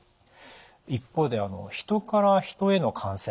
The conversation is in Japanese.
一方でヒトからヒトへの感染